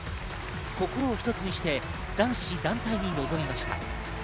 心を一つにして、男子団体に臨みました。